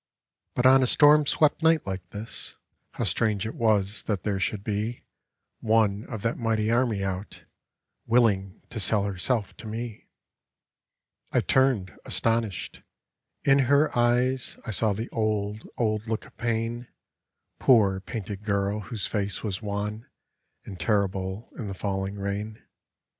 But on a storm swept night like this How strange it was that there should be One of that mighty army out. Willing to sell herself to me! A BALLAD I turned, astonished. In her eyes I saw the old, old look of pain; Poor, painted girl whose face was wan And terrible in the falling rain.